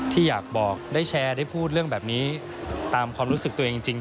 ที่อยากบอกได้แชร์ได้พูดเรื่องแบบนี้ตามความรู้สึกตัวเองจริง